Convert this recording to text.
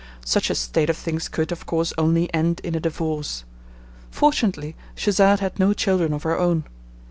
Such a state of things could, of course, only end in a divorce; fortunately Schesade had no children of her own.